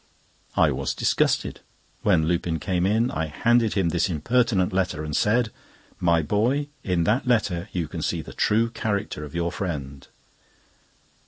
I was disgusted. When Lupin came in, I handed him this impertinent letter, and said: "My boy, in that letter you can see the true character of your friend."